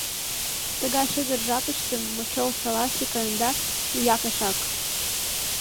Тыгай шыгыр жапыште мочол шалашке каенда, ия кашак!